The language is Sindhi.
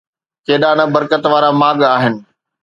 ڪيڏا نه برڪت وارا ماڳ آهن